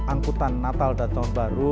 angkutan natal dan tahun baru